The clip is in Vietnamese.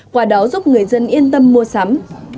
qua đó giúp người dân yên tâm mua sắm